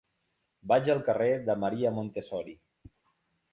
Vaig al carrer de Maria Montessori.